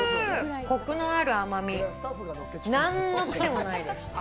コクのある甘み、何の癖もないです。